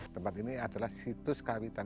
tempat ini adalah situs kawitan